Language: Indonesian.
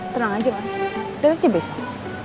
tenang aja mas detek aja besok